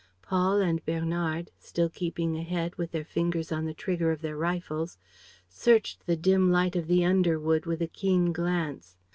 Paul and Bernard, still keeping ahead, with their fingers on the trigger of their rifles, searched the dim light of the underwood with a keen glance.